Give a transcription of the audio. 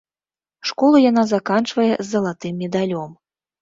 Школу яна заканчвае з залатым медалём.